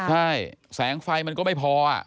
ใช่แสงไฟมันก็ไม่พอ